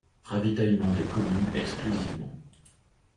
Ravitaillement des communes exclusivement.